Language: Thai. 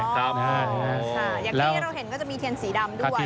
อย่างที่เราเห็นก็จะมีเทียนสีดำด้วย